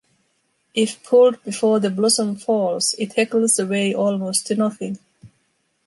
If pulled before the blossom falls, it heckles away almost to nothing.